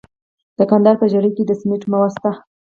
د کندهار په ژیړۍ کې د سمنټو مواد شته.